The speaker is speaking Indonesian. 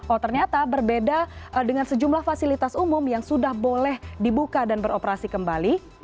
oh ternyata berbeda dengan sejumlah fasilitas umum yang sudah boleh dibuka dan beroperasi kembali